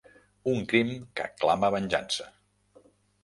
Un crim que clama venjança.